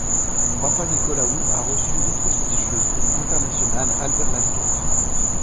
Papanicolaou a reçu le prestigieux prix international Albert-Lasker.